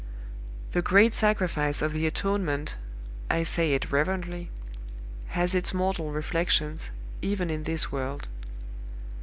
The great sacrifice of the Atonement I say it reverently has its mortal reflections, even in this world.